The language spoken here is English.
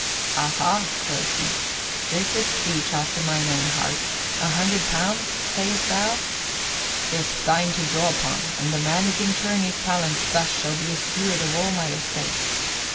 "'Aha!'" quoth he, "'this is speech after mine own heart. A hundred pounds, sayest thou? 'Tis thine to draw upon, and the man who can turn his talents thus shall be steward of all mine estates.